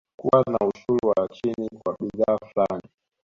Kuwa na ushuru wa chini kwa bidhaa fulani